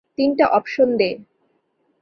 তিনটা অপশন দে!